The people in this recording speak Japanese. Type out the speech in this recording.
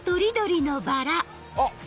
あっ！